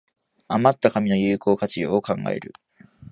あまった紙の有効活用を考える